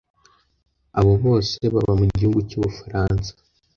abo bose baba mu igihugu cy’ ubufaransa